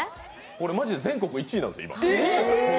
マジで全国１位なんです、今。